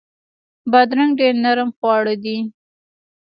بادرنګ ډیر نرم خواړه دي.